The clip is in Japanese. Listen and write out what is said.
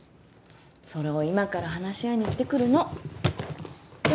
それを今から話し合いに行ってくるのよ